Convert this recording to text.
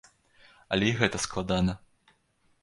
Але і гэта складана.